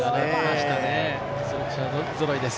実力者ぞろいです。